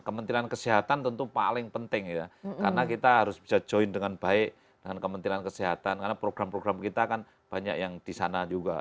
kementerian kesehatan tentu paling penting ya karena kita harus bisa join dengan baik dengan kementerian kesehatan karena program program kita kan banyak yang di sana juga